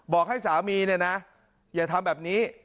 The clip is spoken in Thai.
บอกให้สามีเนี่ยนะอย่าทำแบบนี้